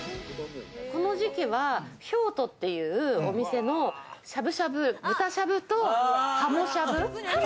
この時期は、瓢斗というお店のしゃぶしゃぶ、豚しゃぶとハモしゃぶ。